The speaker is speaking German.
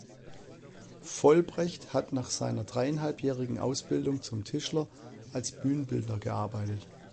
Vollbrecht hatte nach seiner dreieinhalbjährigen Ausbildung zum Tischler als Bühnenbildner gearbeitet.